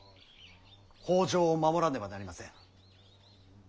北条を守らねばなりません。